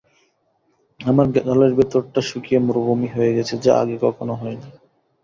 আমার গালের ভেতরটা শুকিয়ে মরুভূমি হয়ে গেছে যা আগে কখনো হয়নি।